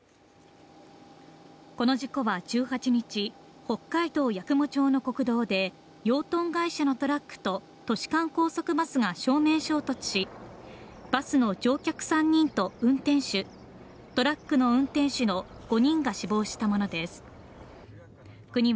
この事故は１８日、北海道八雲町の国道で、養豚会社のトラックと都市間高速バスが正面衝突しバスの乗客３人と運転手トラックの運転手の５人が死亡したものです。